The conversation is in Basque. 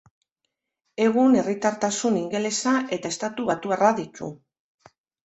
Egun herritartasun ingelesa eta estatubatuarra ditu.